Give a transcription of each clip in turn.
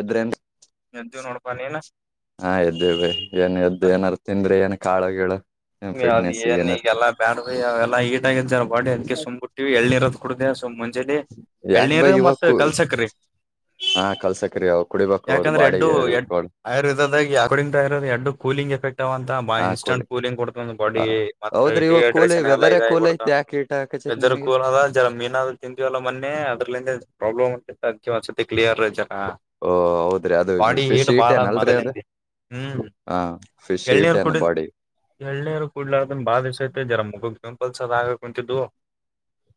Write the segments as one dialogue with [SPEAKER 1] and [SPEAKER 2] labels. [SPEAKER 1] ಎದ್ದ್ರೇನ್ರಿ
[SPEAKER 2] ಹಿಂಗ ಅಂತೀವ ನೋಡಪಾ ನೀನು
[SPEAKER 1] ಹಾ ಎದ್ದೇವೆ ಏನ್ ಎದ್ದು ಏನಾರ ತಿಂದ್ರಿ ಏನ್ ಕಾಳ ಗಿಳ
[SPEAKER 2] ಅಅದ ಏನ್ ಈಗೆಲ್ಲಾ ಬ್ಯಾಡ್ ಬೈ ಎಲ್ಲ ಹೀಟ್ ಆಗ್ಯದ ಜರ ಬಾಡಿ ಅದಕ
[SPEAKER 1] ಏನಾರ
[SPEAKER 2] ಸುಮ್ಮ ಬಿಟ್ಟಿನಿ ಎಳ್ನೀರುದ ಕುಡದೆ ಮುಂಜಳಿ
[SPEAKER 1] ಯಾಕ್ ಬೈ
[SPEAKER 2] ಎಳ್ನೀರು
[SPEAKER 1] ಇವಾಗ
[SPEAKER 2] ಮತ್
[SPEAKER 1] ಕು
[SPEAKER 2] ಕಲ್ಸಕ್ರಿ
[SPEAKER 1] ಹಾ ಕಲ್ಸಕರಿ ಅವು ಕುಡಿಬೇಕ ಹೌದು
[SPEAKER 2] ಯಾಕಂದ್ರೆ ಎಡ್ಡು
[SPEAKER 1] ಬಾಡಿಗೆ
[SPEAKER 2] ಎಡ್ ಆಯುರ್ವೇದದಾಗ ಅಕಾರ್ಡಿಂಗ್ ಎಡ್ಡು ಕೂಲಿಂಗ್ ಎಫೆಕ್ಟ್ ಅವ ಅಂತ ಬಾ
[SPEAKER 1] ಹಾ ಕೂಲಿ
[SPEAKER 2] ಇನ್ಸ್ಂಟ್ ಕೂಲಿಂಗ್ ಕೊಡ್ತವ ಬಾಡಿ
[SPEAKER 1] ಹ
[SPEAKER 2] ಮತ್ತ
[SPEAKER 1] ಹೌದ್ರಿ ಇವಾಗ ಕೂಲ್
[SPEAKER 2] ಡಿಹೈಡ್ರೇಷನ್ ಎಲ್ಲ
[SPEAKER 1] ವೆದರೇ
[SPEAKER 2] ಇದ ಆಗಿ
[SPEAKER 1] ಕೂಲ್
[SPEAKER 2] ಬಿಡ್ತಾವ
[SPEAKER 1] ಐತಿ ಯಾಕೆ ಹೀಟ್ ಹಾಕಚೈತ್ ನಿಮಗೆ
[SPEAKER 2] ಅಂತ ಜರ ಮೀನಾ ಅದು ತತಿಂದಿವೆ ಅಲ್ಲ ಮೊನ್ನೆ ಅದ್ರಲಿಂದ ಪ್ರಾಬ್ಲ್ ಅಕ್ಕೇತಿ ಒಂದ್ಸತಿ ಕ್ಲಿಯರ್ ಜನ
[SPEAKER 1] ಓ ಹೌದ್ರಿ ಅದು
[SPEAKER 2] ಬಾಡಿ
[SPEAKER 1] ಫಿಶ್
[SPEAKER 2] ಹೀಟ್ ಬಾಳ
[SPEAKER 1] ಏನ್
[SPEAKER 2] ಆದ
[SPEAKER 1] ಅಲ್ರರಿ ಅದು
[SPEAKER 2] ಮೊದಲಿಂದ ಹ್ಮ್
[SPEAKER 1] ಹಾ ಫಿಶ್ ಹೀಟ್
[SPEAKER 2] ಎಳ್ನಿರ
[SPEAKER 1] ಏನ್
[SPEAKER 2] ಕುಡಿರಿ
[SPEAKER 1] ಬಾಡಿ
[SPEAKER 2] ಎಳನೀರ್ ಕೂಡ್ಲಾರದನ್ ಬಾಳ್ ದಿವಸ ಆತ ಜರಾ ಮುಖಕ್ಕ ಪಿಂಪಲ್ಸ್ ಅದ ಆಗ ಕುಂತಿದ್ದು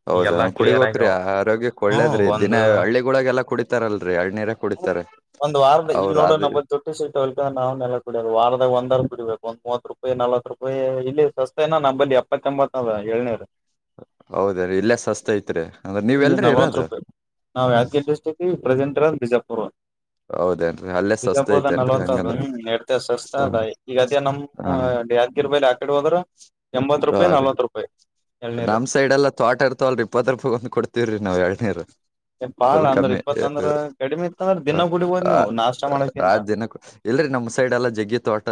[SPEAKER 1] ಹೌದ ಕುಡಿಬೇಕ್ರಿ ಆರೋಗ್ಯಕ್ಕೆ
[SPEAKER 2] ಹ್ಮ್
[SPEAKER 1] ಒಳ್ಳೇದ್ರಿ ದಿನ
[SPEAKER 2] ಒಂದು
[SPEAKER 1] ಹಳ್ಳಿಗಳೊಳಗೆ ಎಲ್ಲಾ ಕುಡಿತಾರಲ್ರರಿ ಏಳಿನೀರ್ ಕುಡಿತಾರ
[SPEAKER 2] ಒಂದು ವಾರದ ಇಲ್ಲಿ ನೋಡೋ ನ ವಾರದಾಗ ಒಂದರ ಕುಡಬೇಕ ಒಂದ ಮೂವತ್ ರೂಪಾಯಿ ನಲ್ವತ ರೂಪಾಯಿ ಇಲ್ಲಿ ಸಸ್ತ ಇನ್ನ ನಮ್ಮ ಬಲ್ಲಿ ಎಪ್ಪತ್ತ ಎಂಬತ್ತ ಅದ ಎಳನೀರ್
[SPEAKER 1] ಹೌದ ರೀ ಇಲ್ಲೇ ಸಸ್ತ್ ಐತ್ರಿ ಅಂದ್ರೆ ನೀವ ಯಲ್ಲಿರಿ ಇರೋದು
[SPEAKER 2] ನಾವ ಯಾದಗಿರಿ ಡಿಸ್ಟ್ರಕ್ ಪಪ್ರೆಸೆಂಟ್ ಇರದ ಬಿಜಾಪುರ್
[SPEAKER 1] ಹೌದೇನ್ರಿ ಅಲ್ಲೇ ಸಸ್ತ
[SPEAKER 2] ವಿಜಾಪುರದ
[SPEAKER 1] ಐತೇನ್ರಿ
[SPEAKER 2] ನಲ್ವತ್ತ
[SPEAKER 1] ಹಂಗಂದ್ರ
[SPEAKER 2] ಅದ ಹ್ಮ್ ಎಡ್ತೆ ಸಸ್ತ ಅದ ಈಗ ಅದೇ ನಮ್ಮ್
[SPEAKER 1] ಹ
[SPEAKER 2] ಯಾದಗಿರಿ ಯಾದಗಿರಿ ಆ ಕಡೆ ಹೋದ್ರ ಎಂಬತ್ ರೂಪಾಯಿ
[SPEAKER 1] ಬಾರಿ
[SPEAKER 2] ನಲ್ವತ್ ರೂಪಾಯಿ ಎಳ್ನೀರ್
[SPEAKER 1] ನಮ್ ಸೈಡ್ ಎಲ್ಲ ತೋಟ ಇರ್ತವಲ್ ಇಪ್ಪತ್ ರೂಪಾಯಿ ಒಂದ್ ಕೊಡ್ತಿವ್ರೀ ನಾವ್ ಎಳ್ನೀರು
[SPEAKER 2] ಬಾಳ
[SPEAKER 1] ಫುಲ್
[SPEAKER 2] ಅಂದ್ರ
[SPEAKER 1] ಕಮ್ಮಿ
[SPEAKER 2] ಇಪ್ಪತ್ತ ಅಂದ್ರ ಕಡಿಮೆ ಇತ್ತ ಅಂದ್ರ ದಿನ ಗುಡಿಬೋದ್ ನೀವು ನಾಷ್ಟ
[SPEAKER 1] ಆ
[SPEAKER 2] ಮಾಡಕಿಂತ
[SPEAKER 1] ದಿನಕ್ಕೂ ಇಲ್ರರಿ ನಮ್ಮ್ ಸೈಡ್ ಎಲ್ಲಾ ಜಗ್ಗಿ ತೋಟ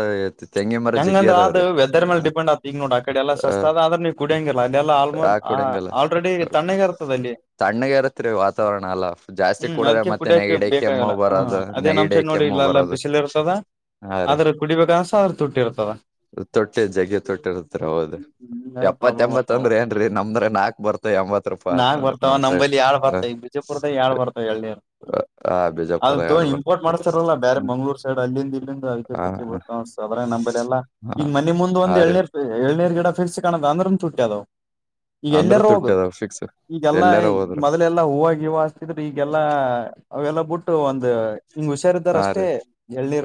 [SPEAKER 1] ತೆಂಗಿನ ಮರ ಜಗ್ಗಿ
[SPEAKER 2] ಹೆಂಗಂದ್ರ ಅದು
[SPEAKER 1] ಅದಾವ್ರೀ
[SPEAKER 2] ವೆದರ್ ಮೇಲೆ ಡಿಪೆಂಡ್ ಆತ್ ಈಗ ನೋಡ ಆ ಕಡೆ ಎಲ್ಲ ಸಸ್ತ್ ಅದ ಆದ್ರೆ ನೀವು ಕುಡಿಯ್ಯಂಗಿಲ್ಲ ಅದೆಲ್ಲ
[SPEAKER 1] ಆ ಕೊಡಂಗಲ್ಲ
[SPEAKER 2] ಆಲ್ರೆಡಿ ತಣ್ಣಗ ಇರ್ತದ ಅಲ್ಲಿ
[SPEAKER 1] ತಣ್ಣಗ ಇರತ್ರಿ ವಾತಾವರಣ ಎಲ್ಲ
[SPEAKER 2] ಹ್ಮ್ ಅದಕ್ಕೆ ಕುಡ್ಯಕ ಬೇಕಾಗಲ್ಲ ಹ್ಮ
[SPEAKER 1] ಬರೋದು
[SPEAKER 2] ಅದೇ ನಮ್
[SPEAKER 1] ನೆಗಡಿ
[SPEAKER 2] ಸೈಡ್ ನೋಡಿ
[SPEAKER 1] ಕೆಮ್ಮು
[SPEAKER 2] ಇಲ್ಲಾಲ್ಲಾ
[SPEAKER 1] ಬರೋದು
[SPEAKER 2] ಬಿಸಿಲು ಇರ್ತದ
[SPEAKER 1] ಹಾ
[SPEAKER 2] ಆದ್ರ ಕುಡಿಬೇಕನ್ಸತದ ಆದ್ರ ತುಟ್ಟಿರ್ತದ
[SPEAKER 1] ತುಟ್ಟಿ ಜಗ್ಗೆ ತುಟ್ಟಿ ಇರುತ್ತ ಹೌದು
[SPEAKER 2] ಹಿಂಗಾಗಿ
[SPEAKER 1] ಎಪ್ಪತ್ತ
[SPEAKER 2] ಪ್ರಾಬ್ಲಮ್
[SPEAKER 1] ಎಂಬತ್
[SPEAKER 2] ಬರ್ತಾವ
[SPEAKER 1] ಅತ್ತಂದ್ರ ಏನ್ರಿ ನಮ್ದ್ರ ನಾಕ್ ಬರ್ತದ ರೂಪಾಯಿ ಅತ್ಂದ್ರ ನಮ ಸೈಡ್
[SPEAKER 2] ವಿಜಾಪುರದಾಗ ಎರಡ್ ಬರ್ತಾವ ಎಳ್ನೀರ
[SPEAKER 1] ಹ
[SPEAKER 2] ಅದು
[SPEAKER 1] ಬಿಜಾಪುರ
[SPEAKER 2] ತುಗೊಂಡ
[SPEAKER 1] ಎರಡು ಬರ್ತ
[SPEAKER 2] ಇಂಪೋರ್ಟ್ ಮಾಡ್ತಾರಲ್ಲ ಬೇರೆ ಮಂಗಳೂರು ಸೈಡ್ ಅಲ್ಲಿಂದ ಇಲ್ಲಿಂದ
[SPEAKER 1] ಹ
[SPEAKER 2] ತುಟ್ಟಿ
[SPEAKER 1] ಹ
[SPEAKER 2] ಬೀಳ್ತಾವ ಅನ್ಸತ್ ಅದರಾಗ ನಂಬಲ್ಲಿ ಎಲ್ಲ
[SPEAKER 1] ಹಾ
[SPEAKER 2] ಈಗ ಮನೆ
[SPEAKER 1] ಹಾ
[SPEAKER 2] ಮುಂದ
[SPEAKER 1] ರೀ
[SPEAKER 2] ಏಳ್ನೇರ್ ಏಳ್ನರ್ ಗಿಡ ಫಿಕ್ಸ್ ಕಾಣದ ಅಂದ್ರನು ತುಟ್ಟಿ ಅದಾವು ಈಗ
[SPEAKER 1] ಅಂದ್ರ
[SPEAKER 2] ಎಲ್ಲರ ಹೋಗ
[SPEAKER 1] ತುಟ್ಟಿ ಅದಾವ ಫಿಕ್ಸ್
[SPEAKER 2] ಈಗ ಎಲ್ಲ
[SPEAKER 1] ಎಲ್ಲಾರ
[SPEAKER 2] ಮೊದಲ
[SPEAKER 1] ಹೋದ್ರು
[SPEAKER 2] ಮೊದಲ ಎಲ್ಲಾ ಹೂವ ಗಿವ್ ಹಚ್ಚತಿದ್ರ ಈಗೆಲ್ಲಾ ಅವೆಲ್ಲ ಬಿಟ್ಟ ಒಂದ್ ಹಿಂಗ್ ಹುಷಾರಿದ್ದಾರ
[SPEAKER 1] ಹಾ
[SPEAKER 2] ಅಷ್ಟೇ
[SPEAKER 1] ರೀ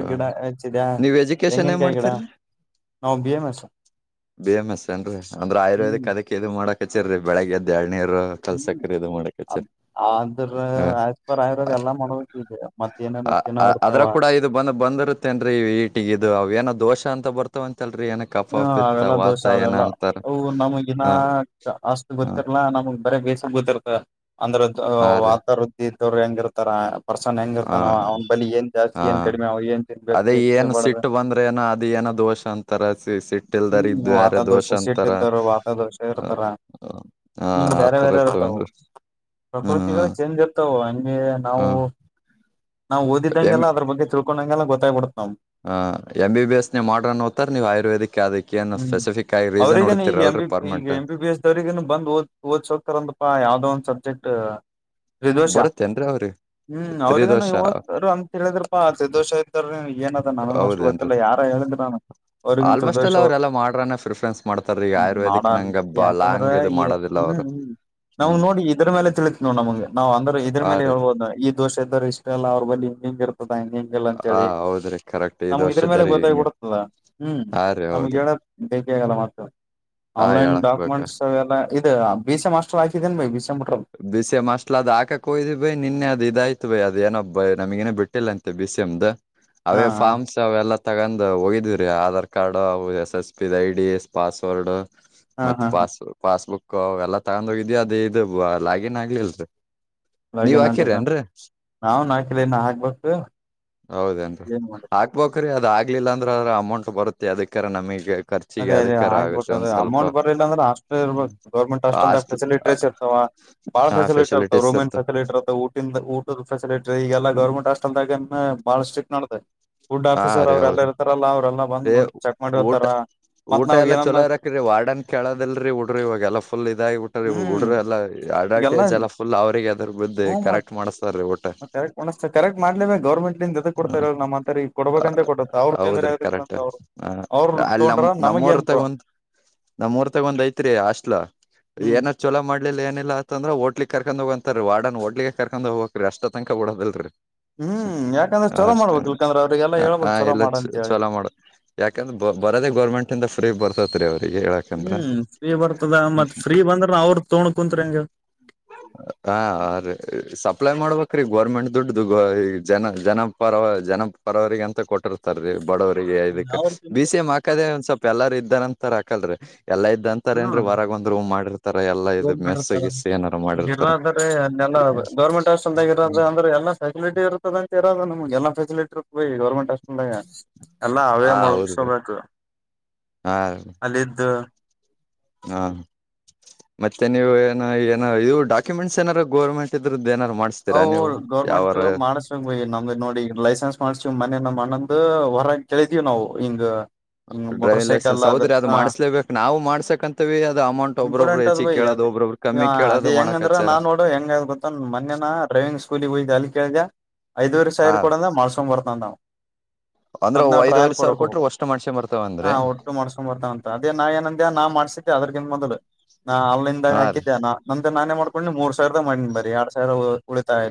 [SPEAKER 1] ಹ
[SPEAKER 2] ಗಿಡ ಹಚ್ಚಿದ್ಯಾ
[SPEAKER 1] ನೀವ್ ಎಜುಕೇಶನ್ ಏನ್
[SPEAKER 2] ಟೆಂಗನ್ಕಾಯಿ ಗಿಡ
[SPEAKER 1] ಮಾಡ್ತೀರಿ
[SPEAKER 2] ನಾವು B M S
[SPEAKER 1] B M S ಏನ್ರೀ ಅಂದ್ರ
[SPEAKER 2] ಹ್ಮ್
[SPEAKER 1] ಆಯುರ್ವೇದಿಕ್ ಅದಕ್ಕೆ ಇದು ಮಾಡಕ್ ಹಚ್ಚ್ಯಾರ ರಿ ಬೆಳಗ್ ಎದ್ದ ಎಳ್ನೀರು
[SPEAKER 2] ಹ್ಮ್
[SPEAKER 1] ಕಲ್ಸಕ್ರಿ ಇದು ಮಾಡಕ್ ಹಚ್ಚಿರಿ
[SPEAKER 2] ಅಂದ್ರ ಆಸ್ ಪರ್ ಆಯುರ್ವೇದ್ ಎಲ್ಲ ಮಾಡೋ
[SPEAKER 1] ಅದರಾಗ ಕೂಡ ಇದು ಬಂದರುತ್ತೇನ್ ಹೀಟಗೆ ಇದು ಅವ ಏನೋ ದೋಷ ಅಂತ ಬರ್ತಾವ ಅಂತಲ್ರಿ ಏನ್
[SPEAKER 2] ಹಾ ಅವೆಲ್ಲಾ ದೋಷ ಅವೆಲ್ಲಾ. ಅವು ನಮಗಿನ
[SPEAKER 1] ಹ
[SPEAKER 2] ಅಷ್ಟ
[SPEAKER 1] ಹ
[SPEAKER 2] ಗೊತ್ತಿರ್ಲಾ ನಮಗ್ ಬರೆ ಬೇಸ ಗೊತ್ತಿರ್ಲ [unintelligible] ಅಂದ್ರೆ
[SPEAKER 1] ಹಾ ರೀ
[SPEAKER 2] ವಾತ ವೃದ್ಧಿ [unintelligible] ಹೆಂಗಿರ್ತಾರ. ವರ್ಸನ
[SPEAKER 1] ಹ
[SPEAKER 2] ಹೆಂಗಿರ್ತಾನಾವ ಅವ್ ಬಳಿ ಏನ್ ಜಾಸ್ತಿ
[SPEAKER 1] ಹ
[SPEAKER 2] ಏನ್ ಕಡಿಮೆ ಅವ್ ಏನ್ ತಿನ್ಬೇಕು ಎನ್ ತಿನ್ಬಾರ್ದು.
[SPEAKER 1] ಏನೋ ಅದ ಏನೋ ದೋಷ ಅಂತಾರ [unintelligible]
[SPEAKER 2] ಹ್ಮ್
[SPEAKER 1] ಇಟ್ಟಲ್ದಾರಿಗೆ ಬ್ಯಾರೆ
[SPEAKER 2] ವಾತಾದೋಷ
[SPEAKER 1] ದೋಷ
[SPEAKER 2] ಸೀಟ್
[SPEAKER 1] ಅಂತರ
[SPEAKER 2] ಇದ್ದವರು ವಾತಾದೋಷ
[SPEAKER 1] ಹ
[SPEAKER 2] ಇರ್ತಾರ
[SPEAKER 1] ಹ
[SPEAKER 2] ಹಿಂಗ್ ಬೇರೆ
[SPEAKER 1] ಆತರ
[SPEAKER 2] ಬೇರೆ
[SPEAKER 1] ಇರ್ತವ
[SPEAKER 2] ಇರ್ತಾವ
[SPEAKER 1] ಅಂದ [unintelligible]
[SPEAKER 2] ಪ್ರಕೃತಿಗಳು ಚೇಂಜ್ ಇರ್ತಾವ ಹಂಗೆ
[SPEAKER 1] ಹ
[SPEAKER 2] ನಾವು ನಾವು
[SPEAKER 1] ಎಂ
[SPEAKER 2] ಓದಿದಂಗೆಲ್ಲ ಅದರ ಬಗ್ಗೆ ತಿಳ್ಕೊಂಡಂಗೆಲ್ಲಾ ಗೊತ್ತಾಗ್ಬಿಡತ್ ನಾವು
[SPEAKER 1] ಹ ಎಂ ಬಿ ಬಿ ಎಸ್ ನ ಮಾಡ್ರನ್ ಓದ್ತಾರ ನೀವು ಆಯುರ್ವೇದಿಕ್ [unintelligible] ಏನು
[SPEAKER 2] ಹ್ಮ್
[SPEAKER 1] ಸ್ಪೆಸಿಫಿಕ್ ಆಗಿ ರೀಸನ್ ಹುಡ್ಕ್ತಿರಲ್ರಿ ಪರ್ಮೆಂಟ್ ಆಗಿ
[SPEAKER 2] ರಿಗ ಬಂದ ಓದ ಓದ್ಸೋಕರಂದಪ್ಪಾ ಯಾವ್ದೋ ಒಂದ್ ಸಬ್ಜೆಕ್ಟ್ ಹಿದೋಷ
[SPEAKER 1] ಬರತ್ತೇನ್ರೀ ಅವ್ರಿ
[SPEAKER 2] ಹ್ಮ್ ಅವ್ರಗನು
[SPEAKER 1] ತ್ರಿದೋಷ
[SPEAKER 2] ಯುವಕರು ಆನ್ ಹೇಳಿದ್ರಪ್ಪಾ [unintelligible] ದೋಷ ಇದ್ದಾರ್ರೀ ಏನ ಅದ ನಾನು ಅಷ್ಟು
[SPEAKER 1] ಹೌದೇನ್ರಿ
[SPEAKER 2] ಗೊತ್ತಿಲ್ಲ ಯಾರ ಹೇಳಿದ್ರಿ ನಾನು ಅವ್ರಿಗನ್
[SPEAKER 1] ಆಲ್ಮೋಸ್ಟ್ ಎಲ್ಲ
[SPEAKER 2] ತ್ರಿದೋಷ
[SPEAKER 1] ಅವ್ರೆಲ್ಲ ಮಾಡ್ರಾನ ಪ್ರಿಫ್ರೆನ್ಸ್. ಮಾಡ್ತಾರಿ ಈಗ ಆಯುರ್ವೇದಿಕ್
[SPEAKER 2] ಮಾಡನ್
[SPEAKER 1] ನಂಗ ಬ
[SPEAKER 2] ಯಾಕಂದ್ರ
[SPEAKER 1] ಲಾಂಗ ಇದ
[SPEAKER 2] ಈಗ
[SPEAKER 1] ಮಾಡೋದಿಲ್ಲ
[SPEAKER 2] ಹ್ಮ್
[SPEAKER 1] ಅವ್ರು.
[SPEAKER 2] ಹ್ಮ್ ನಮ್ಗ್
[SPEAKER 1] ಹ್ಮ್
[SPEAKER 2] ನೋಡಿ ಇದ್ರ ಮೇಲೆ ತಿಳಿತತಿ ನೋಡ್ ನಮಗೆ ಅಂದ್ರ ಇದ್ರ
[SPEAKER 1] ಹಾ
[SPEAKER 2] ಮೇಲೆ
[SPEAKER 1] ರೀ
[SPEAKER 2] ಹೇಳ್ಬಹುದು ಹಾಕಿ ದೋಷ ಇದ್ದರು ಇಷ್ಟ ಎಲ್ಲಾ ಅವ್ರ ಬಳಿ [unintelligible] [unintelligible] [unintelligible]
[SPEAKER 1] ಹಾ
[SPEAKER 2] ಅಂತೇಳಿ
[SPEAKER 1] ಹೌದ್ರಿ ಕರೆಕ್ಟ್ ಇದ್
[SPEAKER 2] ನಮ್ಗ ಇದ್ರ ಮೇಲೆ
[SPEAKER 1] ವರ್ಷದಾರಿ ಹಿಂಗ
[SPEAKER 2] ಗೊತ್ತಾಗಿಬಡುತ್ತಲ್ಲ ಹ್ಮ್
[SPEAKER 1] ಹಾ ರೀ
[SPEAKER 2] ನಮ್ಗ್
[SPEAKER 1] ಹೌದು
[SPEAKER 2] ಹೇಳ ಬೇಕ ಆಗಲ್ಲ ಮತ್ತೆ
[SPEAKER 1] ಹಾ
[SPEAKER 2] ಆನ್ಲೈನ್
[SPEAKER 1] ಹೇಳಕ್ ಬೇಕ
[SPEAKER 2] ಡಾಕ್ಯುಮೆಂಟ್ಸ್ ಲ್ಲ ಇದು ಬಿಸಿಎಮ್ ಹಾಸ್ಟೆಲ್ ಹಾಕಿದೀನ್ ಬೈ ಬಿ ಸೇಮ್
[SPEAKER 1] ಬಿಸಿಎಂ ಹಾಸ್ಟೆಲ್ ಅದ ಹಾಕಕ್ ಹೋಯ್ದೋ ಬೈ ನಿನ್ನೆ ಅದ ಇದಯ್ತ ಬೈ ಅದೇನೋಪ ನಮಗೇನೋ ಬಿಟ್ಟಿಲ್ಲ ಅಂತೆ ಬಿಸಿಎಂ ದು.
[SPEAKER 2] ಹಾ
[SPEAKER 1] ಅವೇ
[SPEAKER 2] ಹಾ
[SPEAKER 1] ಫಾರ್ಮ್ಸ್ ಅವೆಲ್ಲ ತಗೊಂಡ್ ಹೋಗಿದೀವಿ ರೀ ಆಧಾರ್ ಕಾರ್ಡ್ ಅವು ಎಸ್ ಎಸ್ ಪಿದು ಐಡಿ [unintelligible] ಪಾಸ್ವರ್ಡ್.
[SPEAKER 2] ಹಾ
[SPEAKER 1] ಮತ್ತೆ
[SPEAKER 2] ಹಾ ಹಾ
[SPEAKER 1] ಪಾಸ್ ಪಾಸ್ಬುಕ್ ಅವ ಎಲ್ಲಾ ತಗೊಂಡ ಹೋಗಿದೀವಿ ಅದ ಇದು ಲಾಗಿನ್ ಆಗ್ಲಿಲ್ರಿ. ನೀವ್
[SPEAKER 2] ಲಾಗಿನ್ ಅಗ್ಲಿಲ್ಲಾ
[SPEAKER 1] ಹಾಕಿರೇನ್ರಿ
[SPEAKER 2] ನಾವು ನಾಲ್ಕನೋ ಹಾಕ್ಬೇಕು.
[SPEAKER 1] ಹೌದೇನ್ರಿ
[SPEAKER 2] ಏನ್ ಮಾಡ್ತ
[SPEAKER 1] ಹಾಕ್ಬೇಕ್ರಿ ಅದ ಆಗ್ಲಿಲ್ಲ ಅಂದ್ರ ಅದರ ಅಮೌಂಟ್ ಬರುತ್ತೆ ಯದ್ದಕಾರ ನಮಗೆ ಖ
[SPEAKER 2] ಅದೇ ಅದೇ ಹಾಕ್ಬೇಕು ಅದೇ ಅಮೌಂಟ್ ಬರ್ಲಿಲ್ಲ ಅಂದ್ರ ಹಸ್ಟೆಲ್ ಇರ್ಬೇಕು ಗರ್ಮೆಂಟ್ ಹಸ್ಟೆಲ್
[SPEAKER 1] ಹಾಸ್ಟ್ಲ್
[SPEAKER 2] ಫೆಸಿಲಿಟೇಸ್ ಇರ್ತವಲ್ಲಾ. ಬಾಳ
[SPEAKER 1] ಹಾ
[SPEAKER 2] ಫೆಸಿಲಿಟಿವ್ ಇರ್ತಾವ
[SPEAKER 1] ಫೆಸಿಲಿಟೀಸ್
[SPEAKER 2] ರೋಮೆನ್
[SPEAKER 1] ಇರ್ತ
[SPEAKER 2] ಫಸಿಲಿಟವ್ [unintelligible] ಊಟದ ಫೆಸಿಲಿಟಿ ಈಗೆಲ್ಲ ಗೌರ್ಮೆಂಟ್ ಹಾಸ್ಟೆಲ್ದಾಗ ಬಾಳ ಸ್ಟಿಕ್ ನಡ್ದದೆ. ಫುಡ್
[SPEAKER 1] ಹಾ
[SPEAKER 2] ಆಫೀಸರ್
[SPEAKER 1] ರೀ
[SPEAKER 2] ಅವ್ರರೆಲ್ಲ
[SPEAKER 1] ಹೌದು
[SPEAKER 2] ಇರ್ತಾರಲ್ಲ ಅವರೆಲ್ಲ ಬಂದು
[SPEAKER 1] ಏ
[SPEAKER 2] ನೋಡಿ ಚೆಕ್ ಮಾಡಿ
[SPEAKER 1] ಊಟ
[SPEAKER 2] ಹೋಗ್ತಾರಾ.
[SPEAKER 1] ಊಟ ಎಲ್ಲ ಚಲೋ ಇರಕಿಲ್ರಿ ವಾಡನ್ ಕೇಳೋದಲ್ರರಿ ಹುಡ್ರಿ ಇವಾಗಲ್ಲ ಫುಲ್ ಇದಾಗಿಬಟ್ರಿ
[SPEAKER 2] ಹ್ಮ್
[SPEAKER 1] ಹುಡ್ರ ಎಲ್ಲ ಆಡಾ
[SPEAKER 2] [unintelligible]
[SPEAKER 1] ಫುಲ್ ಅವ್ರರಿಗೆ ಎದ್ರ ಬಿದ್ದು
[SPEAKER 2] ಹ್ಮ್ ಮತ್
[SPEAKER 1] ಕರೆಕ್ಟ್ ಮಾಡಿಸ್ತಾರೆ ರೀ ಊಟಕ್ಕೆ.
[SPEAKER 2] ಕರೆಕ್ಟ್ [unintelligible] ಕರೆಕ್ಟ್ ಮಾಡ್ಲೆ ಬೇಕು ಗೌರ್ಮೆಂಟ್ ಇಂದ
[SPEAKER 1] ಆ,
[SPEAKER 2] ಕೊಡ್ತ ನಮ್ಮ್ಂತರಿಗೆ ಕೊಡ್ಬೇಕಂತ ಕೊಡ ಅವ್ರರು ತಿಂದ್ರ
[SPEAKER 1] ಹೌದ್ರಿ
[SPEAKER 2] [unintelligible]
[SPEAKER 1] ಕರೆಕ್ಟ್
[SPEAKER 2] ಬಂದ್
[SPEAKER 1] ಹ
[SPEAKER 2] ಅವ್ರರು
[SPEAKER 1] ಅಲ್ಲಿ
[SPEAKER 2] ತೊಂಡ್ರ
[SPEAKER 1] ನಮ್
[SPEAKER 2] ನಮಗ್ ಏನ್ ಪ್ರ
[SPEAKER 1] [unintelligible] ಒಂದ್ ನಮ್ಮೂರ್ ತಗೊಂದ್ ಐತ್ರಿ ಹಾಸ್ಟೆಲ
[SPEAKER 2] ಹ್ಮ್
[SPEAKER 1] ಏನ [unintelligible] ಚಲೋ ಮಾಡ್ಲಿಲ್ಲ ಏನಿಲ್ಲ ಅಂತಂದ್ರ ಹೋಟ್ಲಿಗ್ ಕರ್ಕೊಂಡ ಹೋಗು ಅಂತಾ ರೀ ವಾಡನ್ ಹೊಟ್ಲಿಗೆ ಕರ್ಕೊಂಡ್ ಹೋಗ್ಬೇಕ್ ರಿ ಅಷ್ಟ ತನಕ ಬಿಡೋದಲ್ರರಿ
[SPEAKER 2] ಹ್ಮ್ ಯಾಕಂದ್ರೆ ಚಲೋ ಮಾಡಬೇಕ ಇಲ್ಕಂದ್ರ ಅವ್ರರಿಗೆಲ್ಲಾ
[SPEAKER 1] ಆ
[SPEAKER 2] ಹಳ್ಬೇಕ್ ಚಲೋ
[SPEAKER 1] ಎಲ್ಲ
[SPEAKER 2] ಮಾಡಂತ ಹೇಳಿ.
[SPEAKER 1] ಚಲೋ ಮಾಡ ಯಾಕಂದ್ರ ಬರದೇ ಗೌರ್ಮೆಟ್ ಇಂದ ಫೀ ಬರ್ತೈತ್ರಿ ಅವ್ರರಿಗೆ [unintelligible]
[SPEAKER 2] ಹ್ಮ್ ಫ್ರೀ ಬರ್ತದ ಮತ್ ಫ್ರೀ ಬಂದ್ರನೂ ಅವ್ರ ತೋ [unintelligible] ಕುಂತ್ರಿ ಹೆಂಗ
[SPEAKER 1] ಹ ರೀ ಸಪ್ಲೈ ಮಾಡ್ಬೇಕ್ರೀ ಗೋರ್ಮೆಂಟ್ ದುಡ್ಡದು [unintelligible] ಜನ ಜನ ಪರವ ಜನ ಪರವರಿಗೆ ಅಂತ ಕೊಟ್ಟಿರ್ತಾರ ಬಡವರಿಗೆ ಇದಕ್ಕೆ
[SPEAKER 2] ಅವ್ರ
[SPEAKER 1] ಬಿಸಿಎಂ ಹಾಕ್ ದೇ ಒಂದ ಸ್ವಲ್ಪ ಎಲ್ಲಾರ ಇದ್ದಾರ ಅಂತಾರ ಹಾಕಲ್ರರಿ ಎಲ್ಲ ಇದ್ದಂತ ಇರ್ತಾರ
[SPEAKER 2] ಹಾ
[SPEAKER 1] ಏನ್ರೀ ಹೊರಗ ಒಂದು ಮಾಡಿರ್ತಾರ ಎಲ್ಲಾ ಇದ್
[SPEAKER 2] ಲೋನ್ ಮಾಡಿರ್ತಾರ
[SPEAKER 1] ಮೆಸ್ಸಗಿಸ್ ಏನಾರು ಮಾಡಿರ್ತಾರ.
[SPEAKER 2] ಗೌರ್ಮಂಟ್ ಹಾಸ್ಟೆಲ್ ಇರ ಅಂದ್ರ ಎಲ್ಲ ಫಸಿಲಿಟ ಇರ್ತದಂತ ಇರೋದು ನಮಗೆ ಎಲ್ಲ ಫೆಸಿಲಿಟಿ ಇ ಗೌರ್ಮಂಟ್. ಬಾಯ್ ಅವೇ
[SPEAKER 1] ಹಾ ಹೌದು ರೀ
[SPEAKER 2] ಮುಳಗ್ಸೋಬೇಕು
[SPEAKER 1] ಹಾ
[SPEAKER 2] ಅಲ್ಲಿದ್ದು.
[SPEAKER 1] ಹಾ. ಮತ್ತೆ ನೀವು ಏನ ಏನ ಇವು ಡಾಕ್ಯುಮೆಂಸ್ ಏನಾರ ಗೋರ್ಮೆಂಟ್ ಇದ್ರದ್ದ ಏನಾರ್ ಮಾಡ್.
[SPEAKER 2] ಅವು ಗೌರ್ಮೆಂಟ್ ಮಾಡಸ. ನಮ್ದ ನೋಡಿ ಲೈಸೆನ್ಸ್ ಮಾಡ್ಸ್ ಮನೆ ನಮ್ ಅಣ್ಣಂದ್ ಹೊರ ಕೆಳಿದೀವಿ ನಾವು ಹಿಂಗ. ಹಿಂಗ ಮೋಟರ್
[SPEAKER 1] ಡ್ರೈವಿಂಗ್ ಲೈಸೆನ್ಸ್
[SPEAKER 2] ಸೈಕಲ್ ಅದ
[SPEAKER 1] ಹೌದ್ರೀ ಅದು
[SPEAKER 2] ಹ
[SPEAKER 1] ಮಾಡ್ಲೇಬೇಕು ನಾವು ಮಾಡ್ಸಕ್ ಅಂತವಿ ಅಮೌಂಟ್ ಒಬ್ಬ್ರಬ್ರು ಹೆಚ್ಚಿ ಕೇಳೋದು ಒಬೊಬ್ರು.
[SPEAKER 2] ಹಾ ಅದೇ ಹೆಂಗಂದ್ರ ನಾನ್ ನೋಡು ಹೆಂಗ್ ಗೊತ್ತ ಮನ್ನ ಡ್ರೈವಿಂಗ್ ಸ್ಕೂಲಿಗೆ ಹೋಗ್ ಅಲ್ಲೇ ಕೇಳ್ದ. ಐದುವರು
[SPEAKER 1] ಹಾ
[SPEAKER 2] ಸಾವಿರ ಕೊಡ ಅಂದ ಮಾಡ್ಕೊಂಡ್ ಬರ್ತಾನ ಅಂತ.
[SPEAKER 1] ಅಂದ್ರ
[SPEAKER 2] ಮತ್ತ ನಾವ್ ಟ್ರಯಲ್
[SPEAKER 1] ಐದುವರೆ ಸಾವಿರ
[SPEAKER 2] ಕೊಡಕ್ ಹೋಗ
[SPEAKER 1] ಕೊಟ್ರ
[SPEAKER 2] ಬೇಕ್
[SPEAKER 1] ವಷ್ಟು ಮಾಡ್ಸ್ಕೊಂಡ್
[SPEAKER 2] ಹ
[SPEAKER 1] ಬರ್ತಾವಂದ್ರಿ
[SPEAKER 2] ಒಟ್ಟು ಮಾಡಸ್ಕೊಂಡ್ ಬರ್ತನ. ಅದೇ ನಾ ಏನಂದೇ ನಾ ಮಾಡ್ಸಿದ್ದೆ ಅದ್ರಗಿಂತ ಮೊದಲು ನಾ ಆನ್ಲೈನ್ದಾಗ
[SPEAKER 1] ಹಾ ರೀ
[SPEAKER 2] ಹಾಕಿದ್ದೆ. ನಂದ ನಾನೇ ಮಾಡ್ಕೊಂಡಿ ಮೂರ್ ಸಾವಿರದ ಮಾಡನಿ ಬರಿ ಎರಡ್ ಸಾವಿರ ಉಳಿತಾಯ.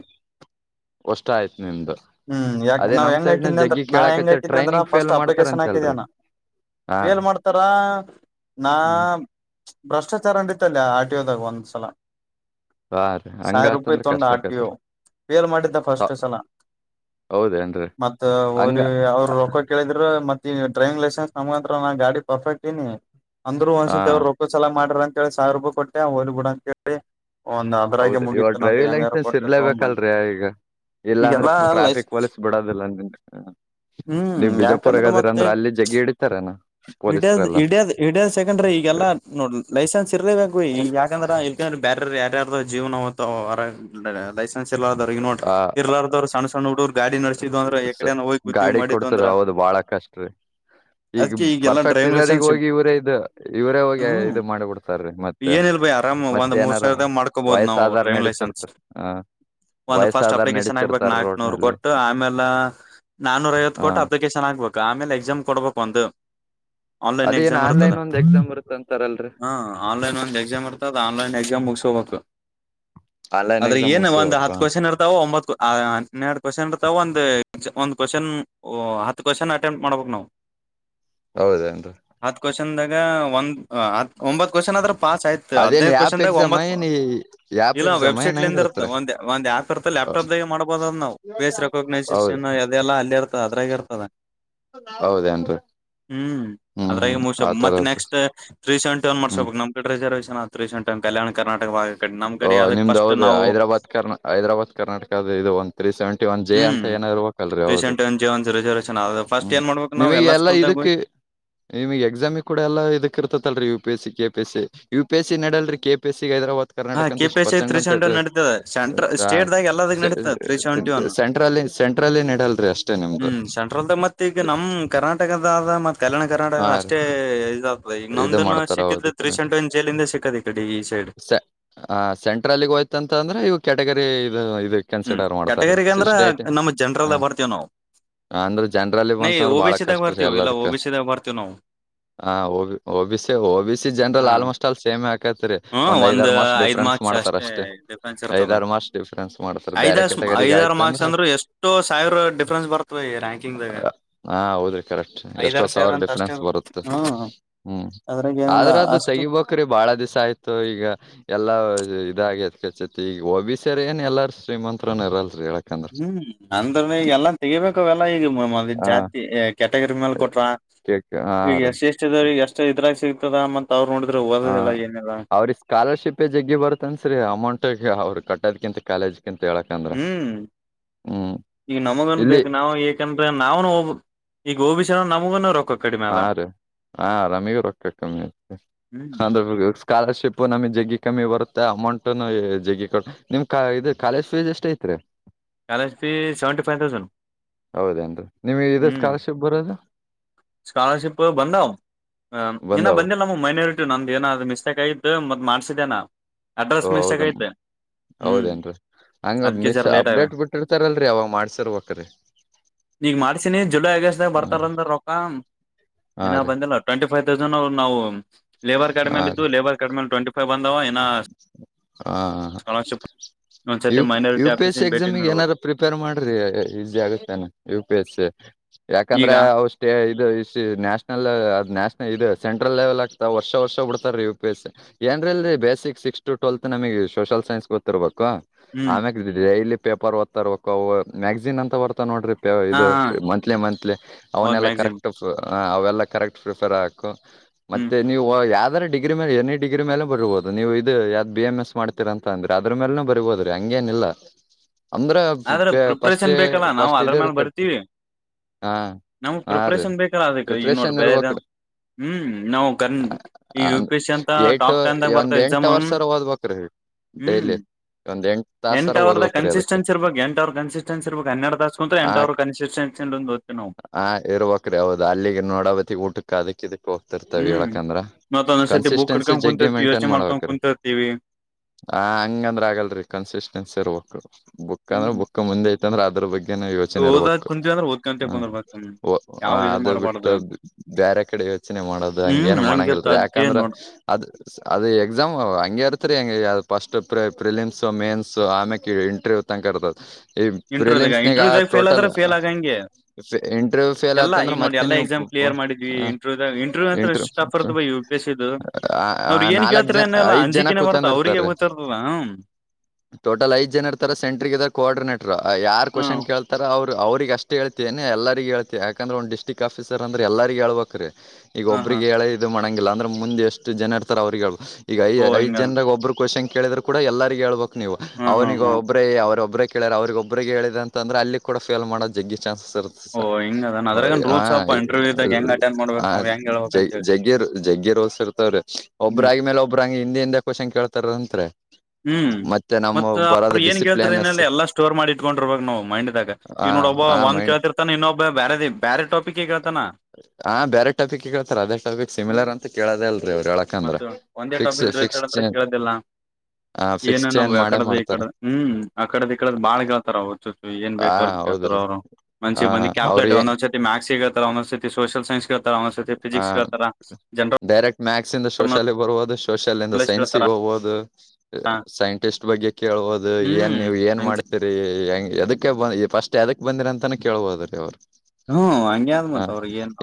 [SPEAKER 1] ಅಷ್ಟ ಆಯ್ತು ನಿಮ್ದು.
[SPEAKER 2] ಹ್ಮ್ ಯಾಕ್
[SPEAKER 1] ಅದೇ
[SPEAKER 2] ನಾವ
[SPEAKER 1] ನಮ್
[SPEAKER 2] ಹೆಂಗ
[SPEAKER 1] ಸೈಡ್ನ
[SPEAKER 2] ಹಾಕಿನಿ ಅಂದ್ರ
[SPEAKER 1] ಜಗ್ಗಿ
[SPEAKER 2] ನಾ ಹೆಂಗ
[SPEAKER 1] ಕೇಳಕಚ್ಚ
[SPEAKER 2] ಹಾಕಿದ್ನಿ ಅಂದ್ರ
[SPEAKER 1] ಟ್ರೈನಿಂಗ್ ಫೇಲ್
[SPEAKER 2] ಫಸ್ಟ್ ಅಪ್ಲಿಕೇಶನ್
[SPEAKER 1] ಮಾಡ್ತಾರಂತಲ್ರಿ
[SPEAKER 2] ಹಾಕಿದ್ಯಾನ.
[SPEAKER 1] ಹಾ
[SPEAKER 2] ಫೇಲ್ ಮಾಡ್ತಾರ ನಾ.
[SPEAKER 1] ಹ್ಮ್
[SPEAKER 2] ಭ್ರಷ್ಟಾಚಾರ ಅಂತ ಇತ್ತ ಅಲ್ಲೇ ಆಟಿಯೋದಾಗ ಒಂದ್ಸಲ.
[SPEAKER 1] ಹಾ ರೀ
[SPEAKER 2] ಸಾವಿರ
[SPEAKER 1] ಹಂಗಾತ.
[SPEAKER 2] ತೊಂಡ ಆಟ ಯೋ ಫೇಲ್ ಮಾಡಿದ್ದ ಫಸ್ಟ್ ಸಲ.
[SPEAKER 1] ಹೌದೇನ್ರಿ
[SPEAKER 2] ಮತ್ತ
[SPEAKER 1] ಹಂಗ
[SPEAKER 2] ಅವರು ರೊಕ್ಕ. ಕೇಳಿದ್ರು ಮತ್ತ ಈ ಡ್ರೈವಿಂಗ್ ಲೈಸೆನ್ಸ್ ನಮಗ ಹತ್ರ ನಾ ಗಡಿ ಪರ್ಫೆಕ್ಟ್ ಇನಿ ಅಂದ್ರು
[SPEAKER 1] ಹಾ
[SPEAKER 2] ಒಂದ್ತಿರು. ಚಲ ಮಾಡ್ರ ಅಂತೇಳಿ ಸಾವಿರ ರೂಪಾಯಿ ಕೊಟ್ಟೆ ಹೋಗ ಬಿಡ ಅಂತೇಳಿ ಒಂದ್ ಅದ್ರಾಗೆ
[SPEAKER 1] ಹೌದ್ರಿ
[SPEAKER 2] ಮುಗಿತ.
[SPEAKER 1] ಇವಾಗ ಡ್ರೈವಿಂಗ್ ಲೈಸೆನ್ಸ್ ಇರಲೇಬೇಕಲ್ರೀ ಈಗ. ಇಲ್ಲಾಂದ್ರೆ
[SPEAKER 2] ಈಗೆಲ್ಲಾ ಲೈಸ್
[SPEAKER 1] ಟ್ರಾಫಿಕ್ ಪೊಲೀಸ್ ಬಿಡೋದಿಲ್ಲ ನಿಂದರಸ್ತಾನ.
[SPEAKER 2] ಹ್ಮ್
[SPEAKER 1] ನೀವ್
[SPEAKER 2] ಯಾಕಂದ್ರ
[SPEAKER 1] ಬಿಜಾಪುರಗದಿರ
[SPEAKER 2] ಮತ್ತೆ
[SPEAKER 1] ಅಂದ್ರೆ ಅಲ್ಲಿ ಜಗ್ಗಿ ಹಿಡಿತಾರನಾ ಪೊಲೀಸರೆಲ್ಲಾ..
[SPEAKER 2] ಹಡ ಹಡ್ಕಂದ್ರ ಈಗಲ್ಲಾ ನೋಡ್ ಲೈಸೆನ್ಸ್ ಇರೇಬೇಕು ಈಗ ಯಾಕಂದ್ರ ಇಕಂದ್ರ ಬ್ಯಾರ ಯಾರ್ಯಾರೋ ಜೀವನ ಅವತ್. ಲೈಸೆನ್ಸ್ ಇಲ್ಲದವರಿಗ್ ನೋಡ್ರಿ
[SPEAKER 1] ಆ
[SPEAKER 2] ಇರಲಾರದವ್ರು ಸಣ್ಣ ಸಣ್ಣ ಹುಡುರ್.
[SPEAKER 1] ಗಾಡಿ
[SPEAKER 2] ಮಾಡಿದ್ವು
[SPEAKER 1] ಕೊಡ್ತರ
[SPEAKER 2] ಅಂದ್ರ
[SPEAKER 1] ಹೌದು ಬಾಳ ಕಷ್ಟ್ರೀ. ಈಗ
[SPEAKER 2] ಅದ್ಕೆ ಈಗೆಲ್ಲಾ
[SPEAKER 1] ಪರ್ಫೆಕ್ಟ್
[SPEAKER 2] ಡ್ರೈವಿಂಗ್
[SPEAKER 1] ಇರೋಗ
[SPEAKER 2] ಲೈಸೆನ್ಸ್
[SPEAKER 1] ಹೋಗಿ ಇವರೇ ಇದ ಇವರೇ ಹೋಗಿ
[SPEAKER 2] ಹ್ಮ್
[SPEAKER 1] ಇದು ಮಾಡ್ಬಿಡ್ತಾರೀ ಮತ್ತೆ.
[SPEAKER 2] ಏನಿಲ್ ಬೈ ಆರಾಮ್
[SPEAKER 1] ಮತ್ತ
[SPEAKER 2] ಒಂದ್
[SPEAKER 1] ಮತ್ತೆ
[SPEAKER 2] ಮೂರ್
[SPEAKER 1] ಏನಾರ
[SPEAKER 2] ಸಾವಿರದಾಗ ಮಾಡ್ಕೋಬಹುದು ನಾವು
[SPEAKER 1] ವಯಸ್ಸಾದಾರ್
[SPEAKER 2] ಡ್ರೈವಿಂಗ್ ಲೈಸೆನ್ಸ್
[SPEAKER 1] ನಡತಿರ್ತರಿ ಆ.
[SPEAKER 2] ಒಂದ್ ಫಸ್ಟ್ ಅಪ್ಲಿಕೇಶನ್ ಹಾಕ್ಬೇಕ ನಾಕನೂರ್ ಕೊಟ್ಟು ಆಮೇಲೆ. ನಾನೂರ ಐವತ್ತು
[SPEAKER 1] ಹ
[SPEAKER 2] ಕೊಟ್ಟು ಅಪ್ಲಿಕೇಶನ್ ಹಾಕ್ಬೇಕು ಆಮೇಲೆ ಎಕ್ಸಾಮ್ ಕೊಡ್ಬೇಕು ಒಂದು. ಆನ್ಲೈನ್
[SPEAKER 1] ಅದೇನ್
[SPEAKER 2] ಎಕ್ಸಾಮ್ ಇರುತ್ತದ
[SPEAKER 1] ಆನ್ಲೈನ್ ಒಂದ್ ಎಕ್ಸಾಮ್ ಬರುತ್ತ ಅಂತಾರಲ್ರಿ
[SPEAKER 2] ಹ. ಆನ್ಲೈನ್ ಒಂದ ಎಕ್ಸಾಮ್ ಇರ್ತದ ಅ ಆಲೈನ್ ಎಕ್ಸಾಮ ಮುಗಸೋಬೇಕು.
[SPEAKER 1] ಆನ್ಲೈನ್
[SPEAKER 2] ಅದರಾಗ
[SPEAKER 1] ಎಕ್ಸಾಮ್
[SPEAKER 2] ಏನ್ ಒಂದ್
[SPEAKER 1] ಮುಗಸಬೇಕು
[SPEAKER 2] ಹತ್ ಕ್ವಶನ್ ಇರ್ತಾವೋ ಒಂಬತ್. ಇನ್ನೆರಡು ಕ್ವಶ್ನ್ ಇರ್ತಾವ ಒಂದು ಒಂದು ಕ್ವಶ್ನ್ ಹತ್ತ ಕ್ವಶನ್ ಅಟೆಂಪ್ಟ್ ಮಾಡ್ಬೇಕು ನಾವು. [unintelligible]
[SPEAKER 1] ಹೌದೆನ್ರಿ.
[SPEAKER 2] ಹತ್ ಕ್ವಶನ್ದಾಗ ಒಂದ್ತ್ ಒಂಬತ್ ಕ್ವಶ್ನ್ ಆದ್ರೆ ಪಾಸ್ ಆಯ್ತ
[SPEAKER 1] ಅದೇನ್
[SPEAKER 2] ಹದಿನೈದು
[SPEAKER 1] ಆ್ಯಪ್
[SPEAKER 2] ಕ್ವಶನ್ದಾಗ
[SPEAKER 1] ಎಕ್ಸಾಮ
[SPEAKER 2] ಒಂಬತ್.
[SPEAKER 1] ಏನ್ ಆ್ಯಪ್
[SPEAKER 2] ಇಲ್ಲ
[SPEAKER 1] ಎಕ್ಸಾಮ ಏನ್
[SPEAKER 2] ವೆಬ್ಸೈಟ್ಲಿಂದ ಇರ್ತ
[SPEAKER 1] ಹೆಂಗಿರತ್ರಿ
[SPEAKER 2] ಒಂದ ಒಂದ ಯಕಕ್ ಇರ್ತ ಲ್ಯಾಪ್ಟಾಪ್ ದಾಗೆ ಮಾಡಬೋದ್ ನಾವು ಬೇಸ.
[SPEAKER 1] ಹೌದ್
[SPEAKER 2] ಕಕ್ನೈಸೇಷನ್ ಅದೆಲ್ಲ ಅಲ್ಲಿ ಇರ್ತದೆ ಅದ್ರಾಗ ಇರ್ತದ.
[SPEAKER 1] ಹೌದೇನ್ರಿ.
[SPEAKER 2] ಹ್ಮ್
[SPEAKER 1] ಹ್ಮ್
[SPEAKER 2] ಅದ್ರಾಗಿ ಮೂರ್ಸ
[SPEAKER 1] ಆತರ
[SPEAKER 2] ಮತ್ತೆ
[SPEAKER 1] ಇರ್ತ
[SPEAKER 2] ನೆಕ್ಸ್ಟ್ ತ್ರೀ ಸೆವೆಂಟಿ ಒನ್
[SPEAKER 1] ಹ್ಮ್
[SPEAKER 2] ಮಾಡ್ಸ್ಬೇಕು ನಮ. ರಿಸರವೆಶನ್ ಆ ರೀಸಂಟ್ಟಮ ಕಲ್ಯಾಣ ಕರ್ನಾಟಕವಾಗಿ.
[SPEAKER 1] ಹ್ ನಿಮ್ದ್ ಹೌದ ಹೈದರಬಾದ್ ಕರ್ ಹೈದರಾಬಾದ್ ಕರ್ಟಕದ ಇ ಒಂದು ತ್ರೀ ಸೆವೆಂಟಿ ಒನ್ ಜೆ ಅಂತ ಏನ ಇರ್ಬೇಕು.
[SPEAKER 2] ರೀಸೆಂಟ್ ಜ ಒನ್ ರಿಸರ್ವೇನ್ ಅದ ಫಸ್ಟ್
[SPEAKER 1] ಹ್ಮ್
[SPEAKER 2] ಏ ಮಾಡ್ಬೇಕ ನಾವವು
[SPEAKER 1] ನಿಮಗೆ
[SPEAKER 2] ಎಲ್ಲ
[SPEAKER 1] ಎಲ್ಲಾ ಇದಕ್ಕೆ
[SPEAKER 2] ಸ್ಕೂಲ್ದಾಗಿ.
[SPEAKER 1] ನಿಮಗ್ ಎಕ್ಸಾಮಿ ಕೂಡ ಎಲ್ಲ ಇದಕ್ ಇರ್ತಲ್ರಿ U P S C K P S C U P S C ನಡಲ್ರಿ K P S C Hyderabad ಕ
[SPEAKER 2] ಹಾ K P S C three seventy one ನಡೀತದೆ ಸೆಂಟರ್ ಸ್ಟೇಟ್ ದಾಗ ಎಲ್ಲದಾಗ ನಡೀತದೆ ತ್ರೀ ಸೆವೆಂಟಿ ಒನ್.
[SPEAKER 1] ಸೆಂಟ್ರಲ್ಲಿ ಸೆಂಟ್ರಲ್ಲಿ ನಡಲ್ರಿ ಅಷ್ಟೇ ನಿಮ್ದು
[SPEAKER 2] ಹ್ಮ್ ಸೆಂಟ್ರಲ್ದ ಮತ್ತೆ ಈಗ ನಮ ಕರ್ನಾಟಕದಾದ ಮತ್ ಕಲ್ಯಾಣ
[SPEAKER 1] ಹಾ
[SPEAKER 2] ಕರ್ನಾಟಕದ
[SPEAKER 1] ರೀ
[SPEAKER 2] ಅಷ್ಟೇ ಇದಾ ಈಗ
[SPEAKER 1] ಇದು
[SPEAKER 2] ನಮ್ದುನು
[SPEAKER 1] ಮಾಡ್ತಾರ
[SPEAKER 2] ಸಿಕ್ಕಿದ್ರೆ
[SPEAKER 1] ಹೌದು
[SPEAKER 2] ತ್ರಿ
[SPEAKER 1] ಕರೆ
[SPEAKER 2] ಸೆವೆಂಟಿ ಒನ್ ಜೇಲಿಂದ ಸಿಕ್ಕದ ಈ ಕಡೆ ಈ ಸೈಡ್.
[SPEAKER 1] ಹಾ ಸೆಂಟ್ರಲ್ಲಿಗೆ ಹೋಯ್ತಂತ ಅಂದ್ರೆ ಇವು ಕ್ಯಾಟಗರಿ ಇದು ಇದ
[SPEAKER 2] ಹ್ಮ್
[SPEAKER 1] ಕನ್ಸಿಡರ್ ಮಾಡ್ತಾರೆ
[SPEAKER 2] ಕ್ಯಾಟಗರಿಗ ಅಂದ್ರ
[SPEAKER 1] ಸೇಟ್
[SPEAKER 2] ನಮ್ಮ
[SPEAKER 1] ಹಾ
[SPEAKER 2] ಜನರಲ್ದಾಗ ಬರ್ತೀವಿ ನಾವು
[SPEAKER 1] ಅಂದ್ರೆ ಜನ್ರಲ್ಲಿ
[SPEAKER 2] ನೈ
[SPEAKER 1] ಬಂತ ಅಂದ್ರ
[SPEAKER 2] ಒ ಬಿ
[SPEAKER 1] ಬಾಳ
[SPEAKER 2] ಸಿ ದಾಗ
[SPEAKER 1] ಕಷ್ಟ ರೀ
[SPEAKER 2] ಬರ್ತೀವಿ ಇಲ್ಲ ಒ
[SPEAKER 1] ಎಲ್ಲದಕ್ಕ
[SPEAKER 2] ಬಿ ಸಿ ದಾಗ ಬರ್ತೀವಿ ನಾವು
[SPEAKER 1] ಹಾ O B O B C O B C general almost all same ಹಾಕೈತ್ರಿ.
[SPEAKER 2] ಹಾ ಒಂದು ಐದ್ ಮಾರ್ಕ್ಸ್ ಅಷ್ಟೇ ಡಿಫ್ರೆನ್ಸ್ ಇರ್ತದೆ.
[SPEAKER 1] ರೆಫರೆನ್ಸ್ ಮಾಡ್ತಾರೆ ಬೇರೆ ಕ್ಯಾಟಗರಿಗ ಆಯ್ತ
[SPEAKER 2] ಮಾರ್ಕ್ಸ್
[SPEAKER 1] ಅಂದ್ರೆ
[SPEAKER 2] ಅಂದ್ರು ಎಷ್ಟೋ ಸಾವಿರ ಡಿಫ್ರೆನ್ಸ್ ಬರ್ತವ ಈ ರ್ಯಾಂಕಿಂಗ್ದಾಗ
[SPEAKER 1] ಆ ಹಾ ಹೌದ್ರಿ ಕರೆಕ್ಟ್ ಎಷ್ಟೋ
[SPEAKER 2] ಐದಾರು
[SPEAKER 1] ಸಾವಿರ
[SPEAKER 2] ಅಂತ ಅಷ್ಟೇ
[SPEAKER 1] ಡಿಫ್ರನ್ಸ್ ಬರುತ್ತ.
[SPEAKER 2] ಹ್ಮ್
[SPEAKER 1] ಹ್ಮ್
[SPEAKER 2] ಅದ್ರಾಗ ಏನಿಲ್ಲ
[SPEAKER 1] ಆದ್ರ ಅದು
[SPEAKER 2] ಅಷ್ಟು
[SPEAKER 1] ತೆಗಿಬೇಕ್ರಿ ಬಾಳ ದಿವಸ ಆಯ್ತು ಈಗ. ಎಲ್ಲಾ ಇದಾಗ್ಯತ್ ಕಚತ್ ಈಗ ಓ ಬಿ ಸಿ ಯರ್ ಏನ್ ಎಲ್ಲಾರ ಶ್ರೀಮಂತ್ರನ ಇರಲ್ರಿ ಹೇಳಕಂ
[SPEAKER 2] ಹ್ಮ್ ಅಂದ್ರನ ಈಗ ಎಲ್ಲಾ ತೆಗಿಬೇಕಾವೆಲ್ಲ ಈಗ ಮ್ಮ್ ಈಗ್
[SPEAKER 1] ಹ
[SPEAKER 2] ಜಾತಿ ಕ್ಯಾಟಗರಿ ಮೇಲೆ ಕೊಟ್ರ
[SPEAKER 1] ಕೇಕ್ ಹಾ
[SPEAKER 2] ಈಗ್
[SPEAKER 1] ರೀ
[SPEAKER 2] ಎಸ್ ಸಿ ಎಸ್ ಟಿ ದವ್ರಿಗೆ ಎಷ್ಟು ಇದ್ರಾಗ ಸಿಗ್ತದ ಮ ಅವ್ ನೋಡಿದ್ರ ವ
[SPEAKER 1] ಹಾ ಅವ್ರಿಗೆ ಸ್ಕಾಲರ್ಶಿಪ್ ಜಗ್ಗಿ ಬರುತ್ತನ್ಸ್ರೀ ಅಮೌಂಟ್ ಅವ್ರು ಕಟ್ಟೋದ್ಕಿಂತ ಕಾಲೇಜ್. ಎಂತ ಹೇಳಿಕಂತ
[SPEAKER 2] ಹ್ಮ್ ಈಗ ನಮಗನ್
[SPEAKER 1] ಇಲ್ಲಿ
[SPEAKER 2] ಬೇಕು ನಾವು ಯಾಕಂದ್ರೆ ನಾವುನು ಹೋಬೇಕು ಈಗ ಓ ಬಿ ಸಿ ಅಂದ್ರ ನಮಗೂನು ರೊಕಕ್
[SPEAKER 1] ಹಾ ರಿ ಹಾ ನಮಗೂ ರೊಕ್ಕ ಕಮ್ಮಿ
[SPEAKER 2] ಹ್ಮ್
[SPEAKER 1] [unintelligible] ಸ್ಕಾಲರ್ಶಿಪ್ಪು ನಮಗೆ ಜಗ್ಗಿ ಕಮ್ಮಿ ಬರುತ್ತೆ ಅಮೌಂಟುನು ಜಗ್ಗಿ ಕಮ್ಮಿ ನಿಮ್ ಕ ಇದು ಕಾಲೇಜ್ ಫೀಸ್ ಎಷ್ಟ್ ಐತ್ರಿ.
[SPEAKER 2] College fee seventy five thousand
[SPEAKER 1] ಹೌದೇನ್ರಿ ನಿಮ್ಗೆ ಇ
[SPEAKER 2] ಹ್ಮ್
[SPEAKER 1] ಸ್ಕಾಲರ್ಶಿಪ್ ಬರೋದು.
[SPEAKER 2] ಸ್ಕಾಲರ್ಶಿಪ್ ಬಂದಾವ ಆ ಇನ್ನ
[SPEAKER 1] ಬಂದವು
[SPEAKER 2] ಬಂದಿಲ್ಲ ನಮಗ್ ಮೈನಾರಿ ಟಿ ನಂದ್ ಏನಾದ್ ಮಿಸ್ಟೇಕ್ ಆಗಿತ್ ಮತ್ ಮಾಡ್ಸಿದ್ದೇನ.
[SPEAKER 1] ಓ ಹೌದ
[SPEAKER 2] ಹ್ಮ್
[SPEAKER 1] ಹೌದೇನ್ರೀ ಹಂಗ
[SPEAKER 2] ಅದ್ಕ್ಕೆ
[SPEAKER 1] ಮಿಸ್
[SPEAKER 2] ಜರ ಲೇಟ್ ಆಗ
[SPEAKER 1] ಅಪ್ಡೇಟ್ ಬಿಟ್ ಟಿರ್ತಾರಲ್ರಿ ಅವಾಗ ಮಾಡ್ಸರ್ ಹೊಕ್ರರಿ.
[SPEAKER 2] ಈಗ್ ಮಾಡ್ಸಿನಿ ಜುಲೈ ಆಗಷ್ಟ್ ದಾಗ್
[SPEAKER 1] ಹಾ
[SPEAKER 2] ಬರ್ತಾರಂದ್ರ ರೊಕ್ಕ ಇನ್ನ
[SPEAKER 1] ರೀ
[SPEAKER 2] ಬಂದಿಲ್ಲ ಅದ್. ಟ್ವೆಂಟಿ ಫೈವ್ ತೌಸಂಡ್ ನಾವು ಲೇಬರ್ ಕಾರ್ಡ್
[SPEAKER 1] ಹಾ
[SPEAKER 2] ಮಾಡಿತ್ತು
[SPEAKER 1] ರೀ
[SPEAKER 2] ಲೇಬರ್ ಕಾರ್ಡ್ ಮೇಲೆ ಟ್ವೆಂಟಿ ಫೈವ್ ಬಂದವ ಇನ್ನ
[SPEAKER 1] ಹಾ ಹಾ
[SPEAKER 2] ಸ್ಕಾಲರ್ಶಿಪ್ ಒಂದ್ಸತಿ
[SPEAKER 1] U U
[SPEAKER 2] minority
[SPEAKER 1] P S C
[SPEAKER 2] ಆಫೀಸಿಗೆ ಭೇಟಿ
[SPEAKER 1] ಎಕ್ಸಾಮಿಗೆ ಏನಾರ
[SPEAKER 2] ನೀಡ್ಬೇಕು
[SPEAKER 1] ಪ್ರಿಪೇರ್ ಮಾಡ್ರಿ ಈಸಿ ಆಗುತ್ತೇನೆ ಯು ಪಿ ಎಸ್ ಸಿ
[SPEAKER 2] ಈಗ
[SPEAKER 1] ಯಾಕಂದ್ರೆ ಅವ್ ಸ್ಟೇ ಇದು ಇದು ನ್ಯಾಷನಲ್ ನ್ಯಾಶ ಇದು ಸೆಂಟ್ರಲ್ ಲೆವೆಲ್ ಆಗ್ತಾವ ವರ್ಷ ವರ್ಷ ಬಿಡ್ತಾರ್ ರಿ ಯು ಪಿ ಎಸ್ ಸಿ. ಏನ್ರ್ ಇಲ್ರಿ ಬೇಸಿಕ್ ಸಿಕ್ಸ್ ಟು ಟ್ವೆಲ್ತ್ ನಮಗೆ ಸೋಷಲ್ ಸೈನ್ಸ್ ಗೊತ್ತಿರ್ಬೇಕು
[SPEAKER 2] ಹ್ಮ್
[SPEAKER 1] ಆಮ್ಯಾಕ್ ಡೈಲಿ ಪೇಪರ್ ಓದ್ತಾ ಇರ್ಬೇಕು ಅವು ಮ್ಯಾಗಸೀನ್ ಅಂತ ಬರ್ತ ನೋಡ್ರಿ
[SPEAKER 2] ಹಾ
[SPEAKER 1] ಇದು
[SPEAKER 2] ಹ
[SPEAKER 1] ಮಂತ್ಲಿ ಮಂತ್ಲಿ
[SPEAKER 2] ಹೌದ್
[SPEAKER 1] ಅವನ್ನೆಲ್ಲ
[SPEAKER 2] ಮ್ಯಾಕ್ಸಿಮಮ್
[SPEAKER 1] ಕರೆಕ್ಟ್ ಸೋ ಅವೆಲ್ಲ ಕರೆಕ್ಟ್ ಪ್ರಿಫರ್ ಹಾಕು
[SPEAKER 2] ಹ್ಮ್
[SPEAKER 1] ಮತ್ತೆ ನೀವು ಯಾವ್ದಾರ ಡಿಗ್ರಿ ಮೇಲೆ ಎನಿ ಡಿಗ್ರಿ ಮೇಲೆ ಬರಿಬಹುದು. ನೀವು ಇದು ಯಾವ್ದ್ ಬಿ ಎಂ ಎಸ್ ಮಾಡ್ತೀರ ಅಂತ ಅಂದ್ರೆ ಅದ್ರ ಮೇಲೆನೂ ಬರಿಬೋದ್ರಿ ಹಂಗೇನಿಲ್ಲ. ಅಂದ್ರ
[SPEAKER 2] ಆದ್ರ
[SPEAKER 1] ಫಸ್ಟ್
[SPEAKER 2] ಪ್ರಿಪ್ರೇಷನ್ ಬೇಕಲ್ಲ ನಾವು
[SPEAKER 1] ಫಸ್ಟ್
[SPEAKER 2] ಅದ್ರ ಮೇಲೆ
[SPEAKER 1] ಇದಿರುತ್ತೆ
[SPEAKER 2] ಬರ್ತೀವಿ
[SPEAKER 1] ಹಾ
[SPEAKER 2] ನಮ್ಗ್
[SPEAKER 1] ಹಾ ರೀ
[SPEAKER 2] ಪ್ರಿಪ್ರೇಷನ್ ಬೇಕಲ್ಲ ಅದಕ್ ಈ ನೋಡ್
[SPEAKER 1] ಪ್ರಿಪ್ರೇಷನ್
[SPEAKER 2] ಬೇರೆದ
[SPEAKER 1] ಇರ್ಬೇಕ್ರಿ.
[SPEAKER 2] ಹ್ಮ್ ನಾವು ಗನ್ ಈ ಯು ಪಿ ಎಸ್ ಸಿ ಅಂತ ಟಾಪ್ ಟೆನ್
[SPEAKER 1] ಈ ಒಂದ್ ಎಂಟ ಅವರ್ ಸರ ಓದ್ಬೇಕ್ರೀ
[SPEAKER 2] ಹ್ಮ್
[SPEAKER 1] ಡೈಲಿ ಒಂದ್ ಎಂಟ್ ತಾಸ ಸರ ಓದ್ಬೇಕ್ರೀ ಅದಕ್ಕೆ.
[SPEAKER 2] ಹೋತಿರ್ಬೇಕು ಎಂಟ್ ಹವರ್ ಕನ್ಸಿಸ್ಟೆಸಿ ಇರ್ಬೇಕ ಹನ್ನೆರ ತಾಸಸ್ಕಂತ್ರ ಎಂಟ ಅವ್ರ ಕನ್ಸ್ಟೆನ್ಸಿ ಓದುತೀವಿ ನಾವು.
[SPEAKER 1] ಹಾ ಇರ್ಬಕ್ರೀ ಹೌದು ಅಲ್ಲಿಗೆ ನೋಡವತ್ತತಿ ಊಟಕ್ಕೆ ಅದಕ್ಕ ಇದಕ್ಕ ಹೋಗ್ ರ್ತಾವ
[SPEAKER 2] ಹ್ಮ್
[SPEAKER 1] ಹೇಳಕಂದ್ರ
[SPEAKER 2] ಮತ್ತೊಂದ್ಸತಿ ಬುಕ್
[SPEAKER 1] ಕನ್ಸಿಸ್ಟೆನ್ಸಿ
[SPEAKER 2] ಹಿಡ್ಕೊಂಡ್ ಕುಂತಿರ್ತಿವಿ
[SPEAKER 1] ಜಗ್ಗಿಮೆಂಟ್ [unintelligible]
[SPEAKER 2] ಯೋಚನೆ ಮಾಡ್ಕೊಂಡ್
[SPEAKER 1] ಮಾಡ್ಬೇಕೀ
[SPEAKER 2] ಕುಂತಿರ್ತಿವಿ
[SPEAKER 1] ಆ ಹಂಗಂದ್ರ ಆಗಲ್ರೀ ಕನ್ಸಿಸ್ಟೆನ್ಸಿ ಇರ್ಬೇಕ ಬುಕ್ ಕಂದ್ರ
[SPEAKER 2] ಹ್ಮ್
[SPEAKER 1] ಬುಕ್ಕ ಮುಂದೆಐತಂದ್ರ ಅದ್ರ ಬಗ್ಗೆ ಗ್ಗೆನೆ ಯೋಚನೆ
[SPEAKER 2] ಓದಕ್
[SPEAKER 1] ಇರ್ಬೇಕು
[SPEAKER 2] ಕುಂತೀವಿ ಅಂದ್ರೆ ಓದ್ಕೊಂತ
[SPEAKER 1] ಹ
[SPEAKER 2] ಕುಂದರ್ಬೇಕು ಯಾವ ಇದು
[SPEAKER 1] ಅದು ಬಿಟ್ಟು.
[SPEAKER 2] ಮಾಡ್ಬಾರ್ದು
[SPEAKER 1] ಬೇರೆ ಕಡೆ ಯೋಚನೆ ಮಾಡೋದು
[SPEAKER 2] ಹ್ಮ್
[SPEAKER 1] ಹಂಗೇನು
[SPEAKER 2] ಹಂಗಿರ್ತ
[SPEAKER 1] ಮಾಡಂಗಲ್ರಿ
[SPEAKER 2] ಅದ್ಕೇನ್
[SPEAKER 1] ಯಾಕಂದ್ರ
[SPEAKER 2] ನೋಡ್
[SPEAKER 1] ಅದ ಅದು ಎಕ್ಸಾಮ್ ಹಂಗೆ ಇರ್ತ ರೀಗೆ ಅ ಪಫಸ್ಟ್ ಪ್ರಿಲಿಮ್ಸ್ ಮೇನ್ಸ್ ಆಮ್ಯಕ್ ಇಂಟ್ರ್ ತನಕ ಇರ್ತಯ್ತೆ
[SPEAKER 2] ಇಂಟರ್ವ್ಯೂದಾಗ
[SPEAKER 1] ಪ್ರೆಲಿಮಸ್ಗ
[SPEAKER 2] ಇಂಟರ್ವ್ಯೂದಾಗ ಫೇಲ್ ಆದ್ರ
[SPEAKER 1] ಟೋಟಲ್.
[SPEAKER 2] ಫೇಲ್ ಆಗಂಗೆ
[SPEAKER 1] ಇಂಟ್ರವ್ಯ್ ಫೇಲ್
[SPEAKER 2] ಎಲ್ಲಾ
[SPEAKER 1] ಆತಂದ್ರೆ
[SPEAKER 2] ಈಗ ನೋಡಿ
[SPEAKER 1] ಮತ್ತೆ
[SPEAKER 2] ಎಲ್ಲಾ
[SPEAKER 1] ನೀವು
[SPEAKER 2] ಎಕ್ಸಾಮ್ ಕ್ಲಿಯರ್ ಮಾಡಿದ್ವಿ ಇಂಟರ್ವ್ಯೂದಾಗ ಇಂಟರ್ವ್ಯೂ ಹತ್ರ ಎಷ್ಟು ಟಫ್ ಇರ್ತ
[SPEAKER 1] [unintelligible]
[SPEAKER 2] ಬ ಯು ಪಿ ಎಸ್ ಇದು
[SPEAKER 1] ಆ ಆ
[SPEAKER 2] ಅವ್ರು ಏನ್
[SPEAKER 1] ನಾಲ್ಕ್
[SPEAKER 2] ಕೇಳ್ತಾರ
[SPEAKER 1] ಜನ
[SPEAKER 2] ಏನಲ್ಲ
[SPEAKER 1] ಐದ್ ಜನ
[SPEAKER 2] ಅಂಜಿಕಿನೇ ಬರ್ತ ಅವ್ರಿಗೆ
[SPEAKER 1] ಕತೊಂಡರ್ತಾರೀ.
[SPEAKER 2] ಗೊತ್ತಿರ್ತದ
[SPEAKER 1] ಟೋಟಲ್ ಐದ್ ಜನ ಇರ್ತಾರೆ ಸೆಂಟ್ರಿ ಇದ ಕೋರ್ಡಿನೇಟರ್ ಯಾರ್
[SPEAKER 2] ಹ
[SPEAKER 1] ಕ್ವಶನ್ ಕೇಳ್ತಾರೆ ತರ ಅವರು ಅವ್ರಿಗೆ ಅಷ್ಟೇ ಹೇಳ್ತ ಏನೆ ಎಲ್ಲರಿಗ ಹೇಳ್ತಿ ಯಾಕಂದ್ರೆ ಒಂದ ಡಿಸ್ಟ್ರಕ್ ಆಫೀಸರ್ ಅಂದ್ರ ಎರಿಗ ಹೇಳ್ಬೇಕ್ರೀ. ಈಗ
[SPEAKER 2] ಹ ಹ
[SPEAKER 1] ಒಬ್ಬ್ರಿಗೆ ಹೇಳೆ ಇದು ಮಣಂಗಿಲ್ಲ ಅಂದ್ರೆ ಮುಂದೆ ಎಷ್ಟು ಜನ ಇರ್ತಾರೆ ಅವ್ರಿಗೆ ಹೇಳ್ಬೇಕು. ಐ
[SPEAKER 2] ಓ
[SPEAKER 1] ಐದ್
[SPEAKER 2] ಹಿಂಗ
[SPEAKER 1] ಜರ ಒಬ್ಬರು ಕ್ವಶನ್ ಕೇಳಿದ್ರರು ಕೂಡ ಎಲ್ಲರಿಗ ಹೇಳ್ಬೇಕಕ್ ನೀವು
[SPEAKER 2] ಹ್ಮ್ ಹ್ಮ್
[SPEAKER 1] ಅವನಿಗೆ
[SPEAKER 2] ಹ್ಮ್
[SPEAKER 1] ಒಬ್ರೇ ಅವರೊಬ್ರೆ. ಅವ್ರಗೊಬ್ಬರಿಗೆ ಹೇಳಿದೆ ಅಂದ್ರೆ ಅಲ್ಲಿ ಕೂಡ ಫೇಲ್ ಮಾಡೋ ಜಗ್ಗಿ ಚಾನ್ಸೆಸ್ ಇರುತ್ತೆ.
[SPEAKER 2] ಓ ಹಿಂಗ ಅದಾನ ಅದ್ರಾಗನ್ ರೂಲ್ಸ್ ಅಪ ಇಂಟರ್ವ್ಯೂ ಇದಾಗ ಹೆಂಗ್ ಅಟೆಂಡ್ ಮಾಡ್ಬೇಕ್ ನಾವ್ ಹೆಂಗ್ ಹೇಳ್ಬೇಕ್ ಅಂತೇಳಿ
[SPEAKER 1] [unintelligible] ಒಬ್ರು
[SPEAKER 2] ಹ್ಮ್
[SPEAKER 1] ಆದ್ಮೇಲೆ ಒಬ್ರು ಹಂಗ ಹಿಂದಿ ಹಿಂದೆ ಕ್ವಶನ್ ಕೇಳ್ತಾರಂತ್ರಿ.
[SPEAKER 2] ಹ್ಮ್
[SPEAKER 1] ಮತ್ತೆ ನಮ್ಮ
[SPEAKER 2] ಮತ್ತ ಅವರು
[SPEAKER 1] ಬರೋದು
[SPEAKER 2] ಏನ್ ಕೇಳ್ತಾರೆ
[SPEAKER 1] ಡಿಸಿಪ್ಲಿನ್ಸ್
[SPEAKER 2] ನ್ನ ಎಲ್ಲಾ ಸ್ಟೋರ್ ಮಾಡಿ ಇಟ್ಕೊಂಡ್ಇರ್ಬೇಕು ನಾವು ಮೈಂಡ್ದಾಗ.
[SPEAKER 1] ಹ
[SPEAKER 2] ಈಗ ನೋಡ ಒಬ್ಬ
[SPEAKER 1] ಹ
[SPEAKER 2] ಒಂದ
[SPEAKER 1] ಮೈಂಡ್
[SPEAKER 2] ಕೇತಿರ್ತಾನ ಇನ್ನೊಬ್ಬ ಬ್ಯರೆದ ಬೇರೆ ಟೊಪಿಗೆೇ ಕೇಳ್ತಾನ.
[SPEAKER 1] ಹಾ ಬೇರೆ ಟಾಪಿಕ್ ಕೇಳ್ತ ಅದೇ ಟಾಪಿಕ್ ಸಿಮಿಲರ್ ಅಂತ ಕೇಳೋದೇಲ್ರರಿ ಅವ್ರು ಹೇಳಕ್
[SPEAKER 2] ಮತ್ತ
[SPEAKER 1] [unintelligible]
[SPEAKER 2] ಒಂದೇ
[SPEAKER 1] ಫಿಕ್ಸ್
[SPEAKER 2] ಟಾಪಿಕ್
[SPEAKER 1] ಫಿಕ್ಸ್ [unintelligible] ಹ
[SPEAKER 2] ಏನ
[SPEAKER 1] ಫಿಕ್ಸ್ ಚೇನ್
[SPEAKER 2] ನಾನವ್
[SPEAKER 1] ಮಾಡೇ
[SPEAKER 2] ಅಕಡದ
[SPEAKER 1] ಮಾಡ್ತಾರ
[SPEAKER 2] ಇಕಡ ಹ್ಮ್ ಅಕಡದ ಇಕಡದ್ ಬಹಳ ಬಾಳಗೆೇಳ್ತಾರ ಅವು ಏನ್
[SPEAKER 1] ಹ
[SPEAKER 2] ಬೇಕಾದ್ರು ಕೇಳ್ತಾರೆ
[SPEAKER 1] ಹೌದ್ರಿ
[SPEAKER 2] ಅವ್ರು.
[SPEAKER 1] ಹ
[SPEAKER 2] ಮನ್ಸಿಗ್ ಬಂದಿದು
[SPEAKER 1] ಅವ್ರ
[SPEAKER 2] ಕ್ಯಾಲ್ಕುಲಟರ್ ಒಂದೊಂದ್ ಸತಿ ಮಾಥ್ಸ್ ಇಂದ ಕೇಳ್ತಾರೆ ಒಂದೊಂದ್ ಸತಿ ಸೋಷಲ್ ಸೈನ್ಸ್ಗೆಕೇಳ್ತಾರೆ ಒಂದೊಂದ್ಸತಿ
[SPEAKER 1] ಹ
[SPEAKER 2] ಫಿಸಿಕ್ಸ್ ಕೇಳ್ತಾರೆ ಜನರ
[SPEAKER 1] ಡೈರೆಕ್ಟ್ ಮ್ಯಾಥ್ಸ್ ಇಂದ ಸೋಷಲ್ ಬರ್ಬಹದು ಸೋಷಲ್ಂದ
[SPEAKER 2] ನಾಲೆಜ್ ಕೇಳ್ತಾರ
[SPEAKER 1] ಸೈನ್ಸಿಗೆ ಹೋಗ್ಬಹುದು. ಸೈಂಟಿಸ್ಟ್ ಬಗ್ಗೆ ಕೇಳಬೋದು ಏನ್
[SPEAKER 2] ಹ್ಮ್
[SPEAKER 1] ನೀವ್ ಏನ್
[SPEAKER 2] ಹಂಗೆ
[SPEAKER 1] ಮಾಡ್ ಸರಿ ಹೆಂಗ ಅದಕ್ಕೆ ಬ ಫಸ್ಟ್ ಎದಕ್ ಬಂದಿರ ಅಂತಾನ ಕೇಳ್ಬೋದ್ರೀ ಅವ್ರು.
[SPEAKER 2] ಹ್ಮ್ ಹಂಗೆ ಆದ್ ಮತ್ ಅವ್ರಗ
[SPEAKER 1] ಹ
[SPEAKER 2] ಏನ್.